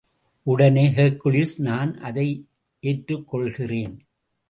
உடனே ஹெர்க்குலிஸ் நான் அதை ஏற்றுக் கொள்கிறேன்.